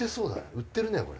売ってるねこれ。